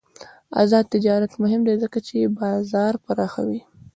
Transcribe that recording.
آزاد تجارت مهم دی ځکه چې بازار پراخوي.